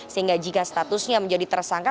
sehingga jika statusnya menjadi tersangka